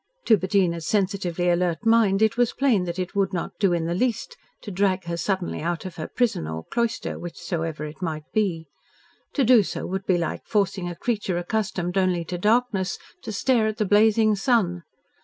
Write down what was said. To Bettina's sensitively alert mind it was plain that it would not do in the least to drag her suddenly out of her prison, or cloister, whichsoever it might be. To do so would be like forcing a creature accustomed only to darkness, to stare at the blazing sun.